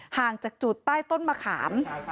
ห่างจากจุดใต้ต้นมะขาม